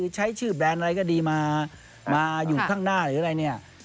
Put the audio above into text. ใช้ชื่อแบรนด์อะไรก็ดีมาอยู่ข้างหน้าหรืออะไรเนี่ย